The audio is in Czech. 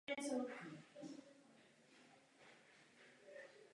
Je po něm pojmenována ulice v jeruzalémské čtvrti Ramat Šlomo.